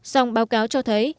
sòng báo cáo cho thấy